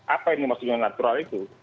apa yang dimaksudnya natural itu